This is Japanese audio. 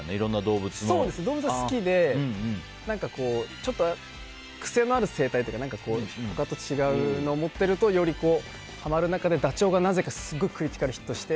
動物は好きで癖のある生態というか他と違うものを持ってるとハマる中でダチョウが、なぜかすごいクリティカルヒットして。